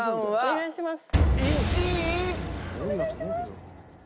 お願いします。